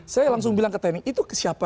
saya langsung bilang ke tenny itu siapa